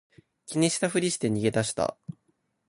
気にしたふりして逃げ出した